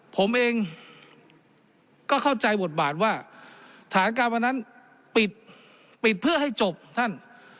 ผมเองก็เข้าใจบทบาทว่าฐานการวันนั้นปิดปิดเพื่อให้จบท่าน